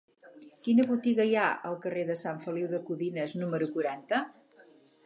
Quina botiga hi ha al carrer de Sant Feliu de Codines número quaranta?